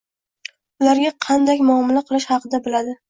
Ularga qandek muomila qilish xaqida biladi.